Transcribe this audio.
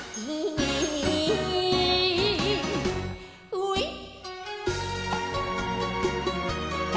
ういっ。